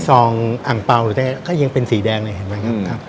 ซองอังเปล่าหรือก็ยังเป็นสีแดงเลยเห็นไหมครับ